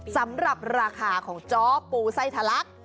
สำหรับราคาของจ้อปูไส้ทะลัก